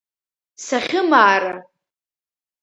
Сахьымаара!